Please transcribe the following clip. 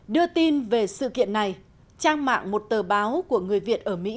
đưa tin về sự kiện này trang mạng một tờ báo của người việt ở mỹ